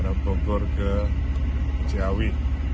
ini ada pokor ke jawi